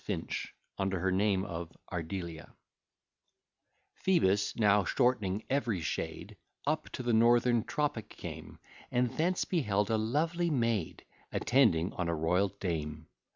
FINCH, UNDER HER NAME OF ARDELIA Phoebus, now short'ning every shade, Up to the northern tropic came, And thence beheld a lovely maid, Attending on a royal dame.